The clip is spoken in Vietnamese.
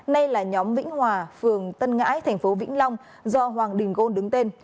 nay là nhóm vĩnh hòa phường tân ngãi thành phố vĩnh long do hoàng đình gôn đứng tên